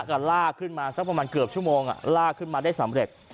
ก็ลากขึ้นมาสักประมาณเกือบชั่วโมงลากขึ้นมาได้สำเร็จ